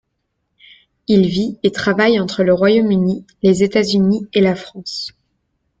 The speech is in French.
Il vit et travaille entre le Royaume-Uni, les États-Unis et la France.